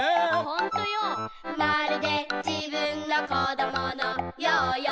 「ほんとよ、まるで自分の小どものようよ」